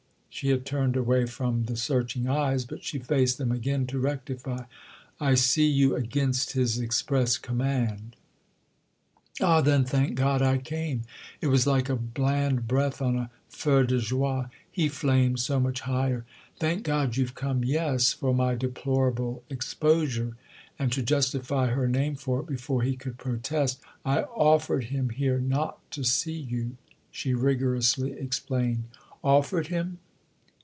—she had turned away from the searching eyes, but she faced them again to rectify: "I see you against his express command." "Ah then thank God I came!"—it was like a bland breath on a feu de joie: he flamed so much higher. "Thank God you've come, yes—for my deplorable exposure." And to justify her name for it before he could protest, "I offered him here not to see you," she rigorously explained. "'Offered him?"